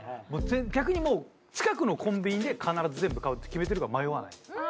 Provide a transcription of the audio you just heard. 逆にもう近くのコンビニで必ず全部買うって決めてるから迷わないです。